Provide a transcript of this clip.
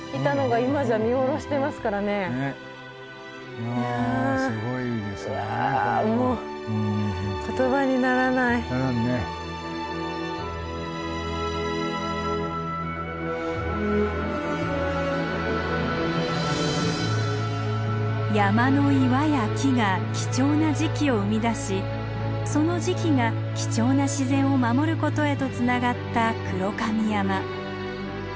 いやすごいですねこれは。ならんね。山の岩や木が貴重な磁器を生み出しその磁器が貴重な自然を守ることへとつながった黒髪山。